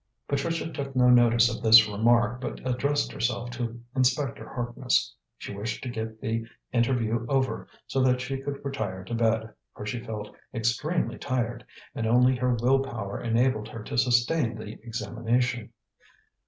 Patricia took no notice of this remark, but addressed herself to Inspector Harkness. She wished to get the interview over, so that she could retire to bed, for she felt extremely tired, and only her will power enabled her to sustain the examination.